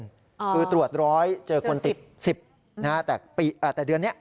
คือตรวจร้อยเจอคนติด๑๐